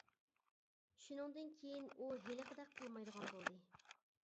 شۇنىڭدىن كېيىن ئۇ ھېلىقىدەك قىلمايدىغان بولدى.